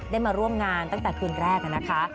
มาร่วมงานตั้งแต่คืนแรกนะคะ